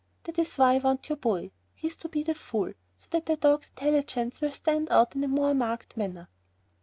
That is why I want your boy. He is to be the fool so that the dogs' intelligence will stand out in a more marked manner."